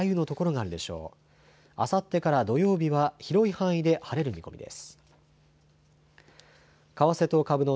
あさってから土曜日は広い範囲で晴れる見込みです。